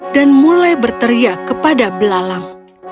dan mulai berteriak kepada belalang